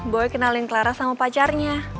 boy kenalin clara sama pacarnya